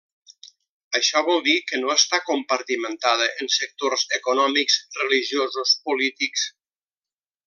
Això vol dir que no està compartimentada en sectors econòmics, religiosos, polítics.